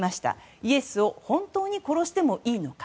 イエスを本当に殺してもいいのか。